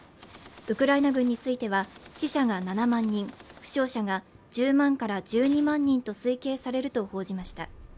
ウクライナ軍については死者が７万人負傷者が１０万から１２万人と推計されると報じました